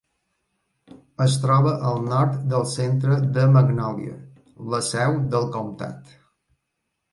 Es troba al nord del centre de Magnolia, la seu del comtat.